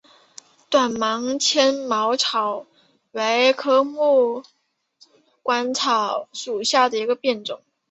短芒纤毛草为禾本科鹅观草属下的一个变种。